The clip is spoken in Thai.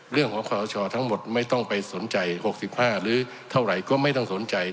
เรื่องของความตัวชอบทั้งหมดไม่ต้องไปสนใจหกสิบห้าหรือเท่าไหร่ก็ไม่ต้องสนใจ